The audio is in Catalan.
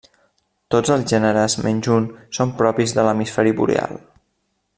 Tots els gèneres menys un són propis de l'hemisferi boreal.